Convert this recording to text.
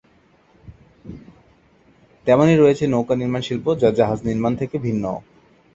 তেমনই রয়েছে নৌকা-নির্মান শিল্প যা জাহাজ-নির্মাণ থেকে ভিন্ন।